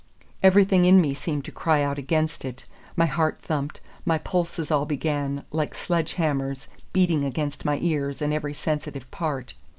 Everything in me seemed to cry out against it: my heart thumped, my pulses all began, like sledge hammers, beating against my ears and every sensitive part.